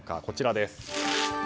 こちらです。